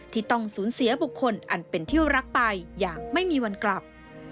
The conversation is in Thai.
ที่ต้องสูญเสียบุคคลอันเป็นเที่ยวรักไปอย่างไม่มีวันกลับ